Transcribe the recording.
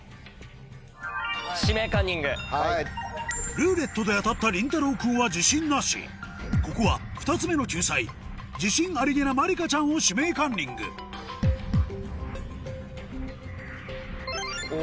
「ルーレット」で当たったりんたろう君は自信なしここは２つ目の救済自信ありげなまりかちゃんを「指名カンニング」お！